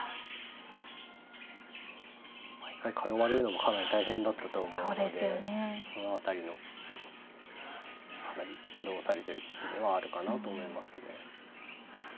毎回通われるのもかなり大変だったと思うのでその辺りのかなり苦労されてる棋士ではあるかなと思いますね。